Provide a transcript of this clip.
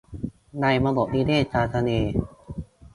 ในระบบนิเวศทางทะเล